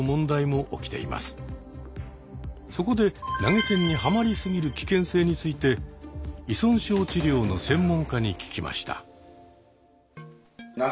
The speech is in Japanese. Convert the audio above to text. そこで投げ銭にハマり過ぎる危険性について依存症治療の専門家に聞きました。